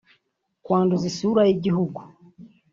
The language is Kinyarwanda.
kwanduza isura y’igihugu